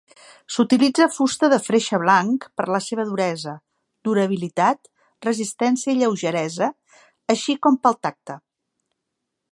S'utilitza fusta de freixe blanc per la seva duresa, durabilitat, resistència i lleugeresa, així com pel tacte.